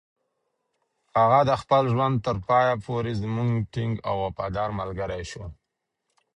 هغه د خپل ژوند تر پایه پورې زموږ ټینګ او وفادار ملګری شو.